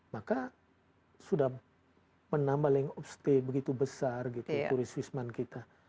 maka sudah menambah link of stay begitu besar gitu turis wisman kita